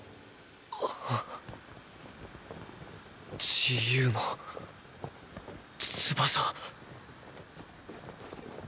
自由の翼。